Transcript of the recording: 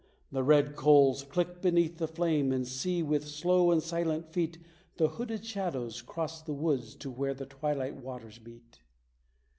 The red coals click beneath the flame, and see, with slow and silent feet The hooded shadows cross the woods to where the twilight waters beat!